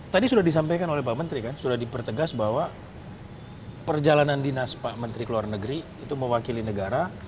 tadi sudah disampaikan oleh pak menteri kan sudah dipertegas bahwa perjalanan dinas pak menteri ke luar negeri itu mewakili negara